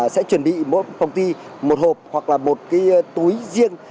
sẽ chuẩn bị một phòng thi một hộp hoặc là một túi riêng